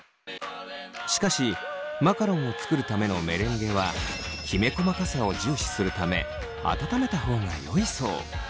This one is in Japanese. しかしマカロンを作るためのメレンゲはきめ細かさを重視するため温めた方がよいそう。